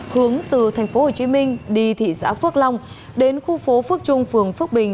hướng từ tp hcm đi thị xã phước long đến khu phố phước trung phường phước bình